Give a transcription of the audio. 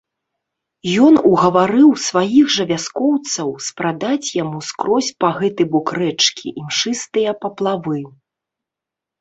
Ён угаварыў сваіх жа вяскоўцаў спрадаць яму скрозь па гэты бок рэчкі імшыстыя паплавы.